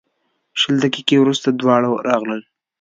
شل دقیقې وروسته دواړه راغلل.